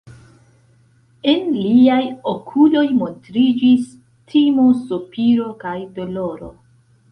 En liaj okuloj montriĝis timo, sopiro kaj doloro.